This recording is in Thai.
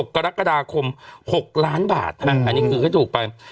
กรกฎาคม๖ล้านบาทอันนี้คือก็ถูกไป